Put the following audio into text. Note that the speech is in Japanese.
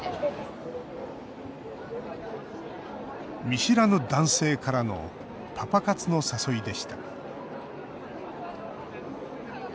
見知らぬ男性からのパパ活の誘いでした